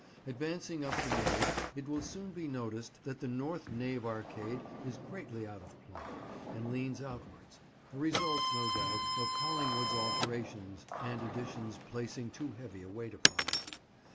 Advancing up the nave, it will soon be noticed that the north nave arcade is greatly out of plumb, and leans outwards; a result, no doubt, of Collingwood's alterations and additions placing too heavy a weight upon it.